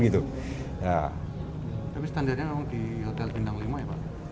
tapi standarnya memang di hotel bintang lima ya pak